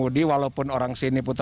lalu apa lagi pak